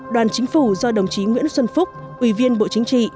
đoàn chính phủ do đồng chí nguyễn xuân phúc ủy viên bộ chính trị